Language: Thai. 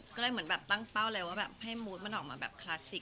ก็เลยเหมือนแบบตั้งเป้าเลยว่าแบบให้มูธมันออกมาแบบคลาสสิก